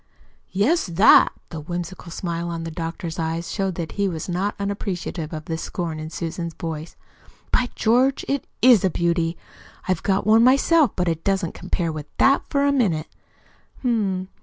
"Yes, 'that'!" The whimsical smile in the doctor's eyes showed that he was not unappreciative of the scorn in Susan's voice. "By George, it IS a beauty! I've got one myself, but it doesn't compare with that, for a minute. H m!